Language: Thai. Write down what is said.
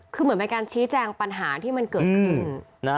คือเหมือนเป็นการชี้แจงปัญหาที่มันเกิดขึ้น